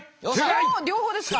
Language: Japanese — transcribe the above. おっ両方ですか？